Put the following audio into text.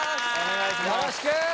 よろしく！